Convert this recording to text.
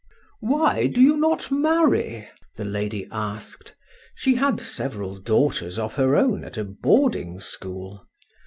"Why do you not marry?" the lady asked (she had several daughters of her own at a boarding school).